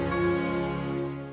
dasar si anu